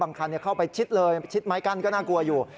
คันเข้าไปชิดเลยชิดไม้กั้นก็น่ากลัวอยู่